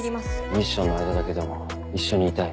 ミッションの間だけでも一緒にいたい。